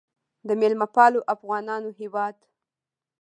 د میلمه پالو افغانانو هیواد.